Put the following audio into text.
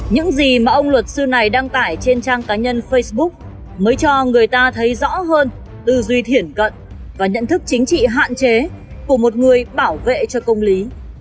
những gì mà ông luật sư này đăng tải trên trang cá nhân facebook mới cho người ta thấy rõ hơn tư duy thiển cận và nhận thức chính trị hạn chế của một người bảo vệ cho công lý